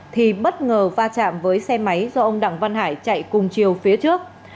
thì bất ngờ va chạm với xe máy do ông đặng văn hải chạy cùng chiều phía trước